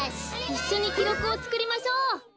いっしょにきろくをつくりましょう。